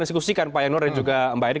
diskusikan pak januar dan juga mbak edy